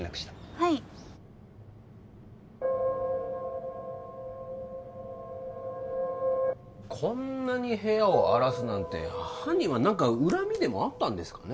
はいこんなに部屋を荒らすなんて犯人は何か恨みでもあったんですかね？